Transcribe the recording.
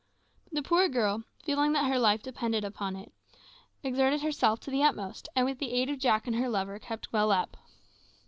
The poor girl, feeling that her life depended on it, exerted herself to the utmost, and with the aid of Jack and her lover kept well up.